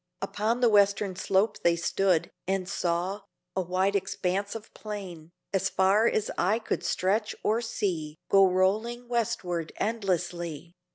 Upon the Western slope they stood And saw a wide expanse of plain As far as eye could stretch or see Go rolling westward endlessly.